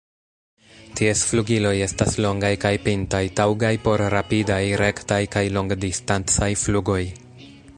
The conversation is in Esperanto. Ties flugiloj estas longaj kaj pintaj, taŭgaj por rapidaj, rektaj kaj longdistancaj flugoj.